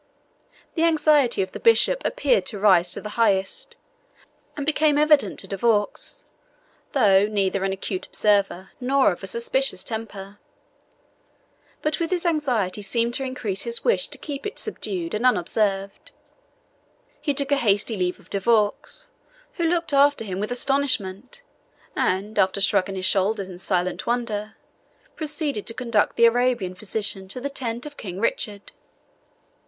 The anxiety of the bishop appeared to rise to the highest, and became evident to De Vaux, though, neither an acute observer nor of a suspicious temper. But with his anxiety seemed to increase his wish to keep it subdued and unobserved. He took a hasty leave of De Vaux, who looked after him with astonishment, and after shrugging his shoulders in silent wonder, proceeded to conduct the Arabian physician to the tent of King Richard.